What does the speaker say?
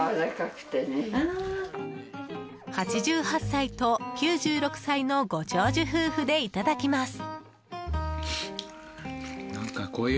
８８歳と、９６歳のご長寿夫婦でいただきます。